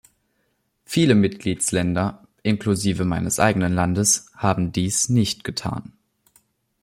Viele Mitgliedsländer, inklusive meines eigenen Landes, haben dies nicht getan.